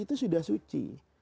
itu sudah suci